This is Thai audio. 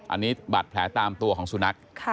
อันนี้บาดแผลตามตัวของสุนัข